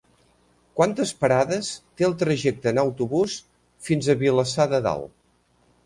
Quantes parades té el trajecte en autobús fins a Vilassar de Dalt?